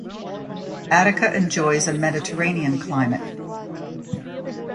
Attica enjoys a Mediterranean climate.